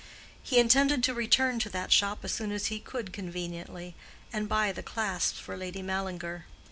He intended to return to that shop as soon as he could conveniently, and buy the clasps for Lady Mallinger.